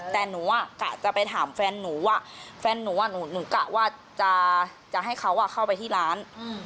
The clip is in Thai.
แต่หนูกะจะไปถามแฟนหนูว่าแฟนหนูหนูกะว่าจะให้เขาเข้าไปที่ร้าน